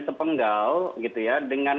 sepenggal gitu ya dengan